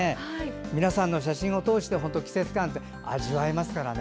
皆さんの写真を通して季節感が味わえますからね。